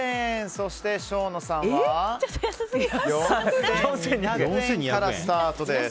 そして生野さんは４２００円からスタートです。